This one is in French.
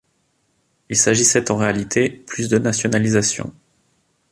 Il s'agissait en réalité plus de nationalisations.